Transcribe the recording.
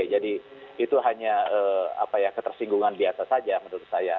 jadi itu hanya ketersinggungan biasa saja menurut saya